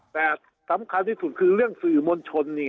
แต่สำคัญที่สุดคือเรื่องสื่อมวลชน